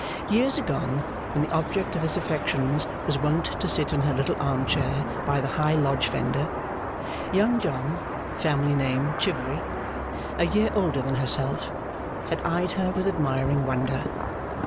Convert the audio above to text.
Years agone, when the object of his affections was wont to sit in her little arm chair by the high Lodge fender, Young John (family name, Chivery), a year older than herself, had eyed her with admiring wonder.